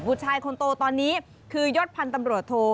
ชายคนโตตอนนี้คือยศพันธ์ตำรวจโท